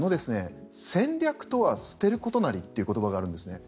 戦略は捨てることなりという言葉があるんですね。